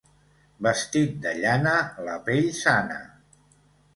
Vestit de llana la pell sana.